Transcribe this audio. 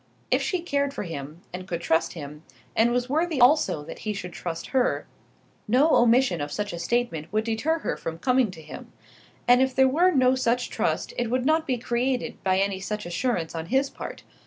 If she cared for him, and could trust him, and was worthy also that he should trust her, no omission of such a statement would deter her from coming to him: and if there were no such trust, it would not be created by any such assurance on his part.